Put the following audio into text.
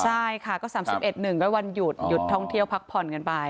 ใช่ค่ะก็สามสิบเอ็ดหนึ่งก็วันหยุดหยุดท้องเที่ยวพักผ่อนกันไป